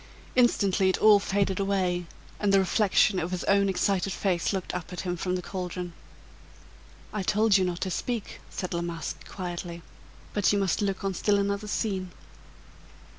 Instantly it all faded away and the reflection of his own excited face looked up at him from the caldron. "I told you not to speak," said La Masque, quietly, "but you must look on still another scene."